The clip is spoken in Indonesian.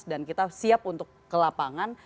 dan kita siap untuk ke lapangan